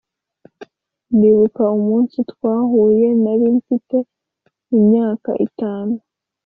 ndibuka umunsi twahuye nari mfite imyaka itanu